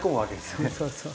そうそうそう。